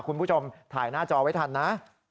คุณผู้ชมถ่ายหน้าจอไว้ทันนะ